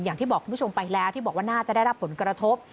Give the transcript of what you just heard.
อย่างที่บอกคุณผู้ชมไปแล้วที่บอกว่าน่าจะได้รับผลกระทบ